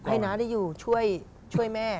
น้าได้อยู่ช่วยแม่